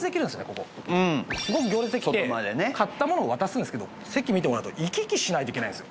ここすごく行列できて買ったものを渡すんですけど席見てもらうと行き来しないといけないんですよ